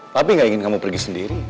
tapi gak ingin kamu pergi sendiri